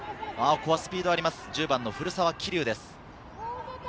スピードがあります、１０番の古澤希竜です。